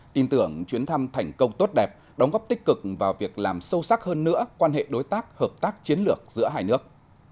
tin tưởng chuyến thăm thành công tốt đẹp đóng góp tích cực vào việc làm sâu sắc hơn nữa quan hệ đối tác hợp tác chiến lược giữa hai nước